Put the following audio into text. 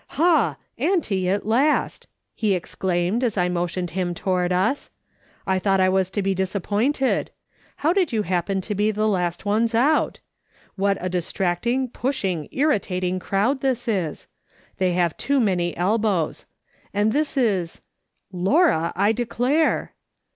" Ha ! auntie at last," he exclaimed, as I motioned him toward us. " I thought I was to be disappointed. How did you happen to be the last ones out ? What a distracting, pushing, irritating crowd this is ! They have too many elbows. And this is — Laura, I declare